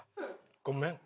ごめん。